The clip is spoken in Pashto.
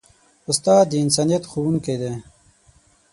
استاد د انسانیت ښوونکی دی.